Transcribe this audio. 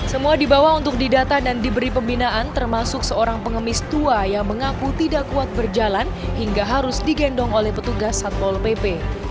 semua dibawa untuk didata dan diberi pembinaan termasuk seorang pengemis tua yang mengaku tidak kuat berjalan hingga harus digendong oleh petugas satpol pp